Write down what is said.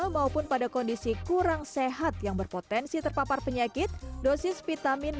maupun pada kondisi kurang sehat yang berpotensi terpapar penyakit dosis vitamin b di api ini memiliki